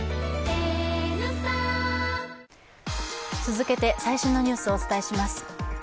え．．．続けて最新のニュースをお伝えします。